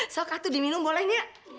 sokatu diminum bolehnya